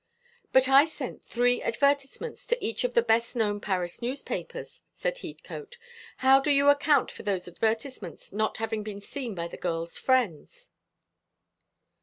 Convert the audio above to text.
"But I sent three advertisements to each of the best known Paris newspapers," said Heathcote. "How do you account for those advertisements not having been seen by the girl's friends?"